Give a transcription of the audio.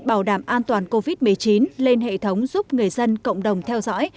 bảo đảm an toàn covid một mươi chín lên hệ thống giúp người dân cộng đồng theo dõi